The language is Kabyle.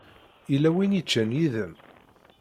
Yella win yeččan yid-m?